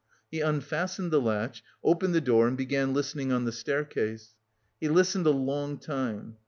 He unfastened the latch, opened the door and began listening on the staircase. He listened a long time.